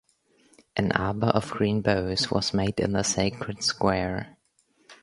An arbor of green boughs was made in the sacred square.